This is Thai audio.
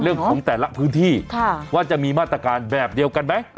เรื่องของแต่ละพื้นที่ว่าจะมีมาตรการแบบเดียวกันไหม